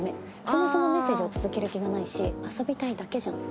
そもそもメッセージを続ける気がないし遊びたいだけじゃん。